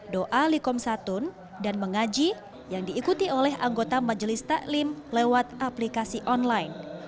doa likomsatun dan mengaji yang diikuti oleh anggota majelis taklim lewat aplikasi online